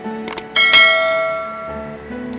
aku mau pergi